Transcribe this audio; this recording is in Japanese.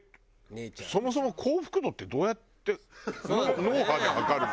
そもそも幸福度ってどうやって脳波で測るの？